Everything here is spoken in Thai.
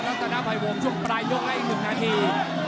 แล้วจะนับไปวงช่วงปลายยกให้๑นาที